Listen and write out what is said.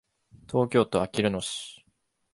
東京都あきる野市